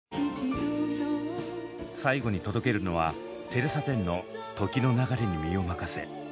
最後に届けるのはテレサ・テンの「時の流れに身をまかせ」。